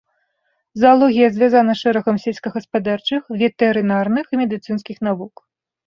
Заалогія звязана з шэрагам сельскагаспадарчых, ветэрынарных і медыцынскіх навук.